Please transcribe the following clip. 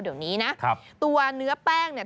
เดี๋ยวนี้นะครับตัวเนื้อแป้งเนี่ย